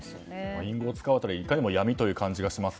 隠語を使うことがいかにも闇という感じがします。